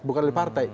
bukan oleh partai